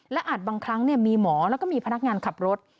และอาจบางครั้งมีหมอแล้วก็มีพนักงานขับรถ